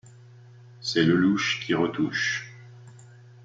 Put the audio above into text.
C'est Lelouch qui retouche.